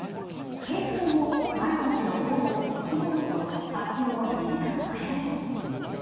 警報も前の日の午後４時ごろと発表を２時間早める方針です。